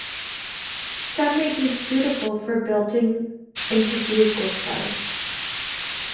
Some may be suitable for building into vehicles though.